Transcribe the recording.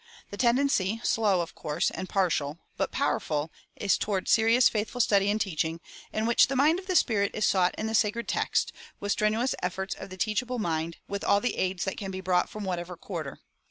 The tendency, slow, of course, and partial, but powerful, is toward serious, faithful study and teaching, in which "the mind of the Spirit" is sought in the sacred text, with strenuous efforts of the teachable mind, with all the aids that can be brought from whatever quarter.